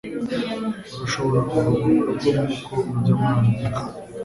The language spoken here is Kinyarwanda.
Urashobora kuguma murugo nkuko ujya muri Amerika.